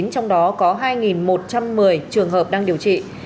trong đó có hai một trăm một mươi trường hợp đang điều trị